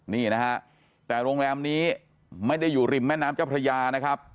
นี่นะฮะแต่โรงแรมนี้ไม่ได้อยู่ริมแม่น้ำเจ้าพระยานะครับ